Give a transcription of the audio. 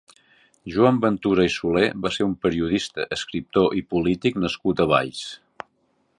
Joan Ventura i Solé va ser un periodista, escriptor i polític nascut a Valls.